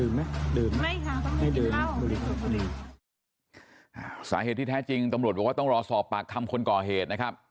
ไม่ค่ะเขาไม่กินข้าวสาเหตุที่แท้จริงตำรวจว่าต้องรอสอบปากทำคนก่อเหตุนะครับ